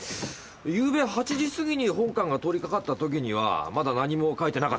ゆうべ８時過ぎに本官が通りかかったときにはまだ何も書いてなかったと記憶してます。